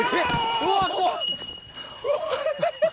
うわ！